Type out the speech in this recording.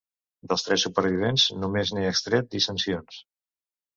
Dels tres supervivents només n'he extret dissensions.